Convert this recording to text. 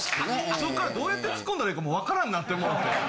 そっからどうやってツッコんだらええか分からんようになってもうて。